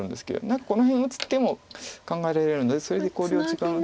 何かこの辺打つ手も考えられるのでそれで考慮時間を。